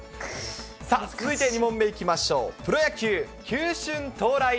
さあ、続いて２問目いきましょう。